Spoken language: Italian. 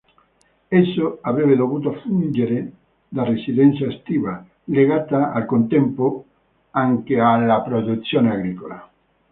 Esso avrebbe dovuto fungere da residenza estiva, legata, al contempo, anche alla produzione agricola.